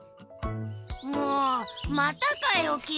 もうまたかよキイ！